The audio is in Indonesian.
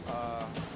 ridwan kamil berjanji